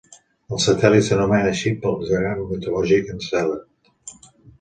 El satèl·lit s'anomena així pel gegant mitològic Encèlad.